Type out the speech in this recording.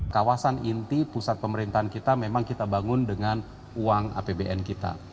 kawasan inti pusat pemerintahan kita memang kita bangun dengan uang apbn kita